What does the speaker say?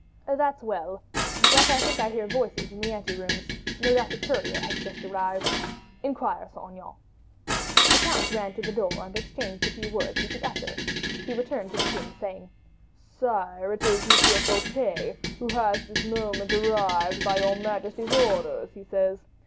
"That's well; but I think I hear voices in the ante rooms no doubt a courier has just arrived. Inquire, Saint Aignan." The count ran to the door and exchanged a few words with the usher; he returned to the king, saying, "Sire, it is M. Fouquet who has this moment arrived, by your majesty's orders, he says.